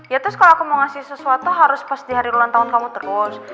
ya terus kalau aku mau ngasih sesuatu harus pas di hari ulang tahun kamu terus